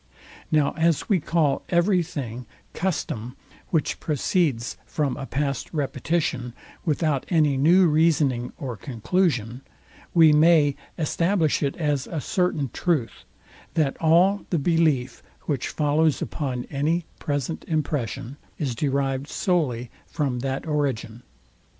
Now as we call every thing CUSTOM, which proceeds from a past repetition, without any new reasoning or conclusion, we may establish it as a certain truth, that all the belief, which follows upon any present impression, is derived solely from that origin.